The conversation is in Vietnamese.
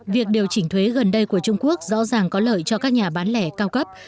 việc điều chỉnh thuế gần đây của trung quốc rõ ràng có lợi cho các nhà bán lẻ cao cấp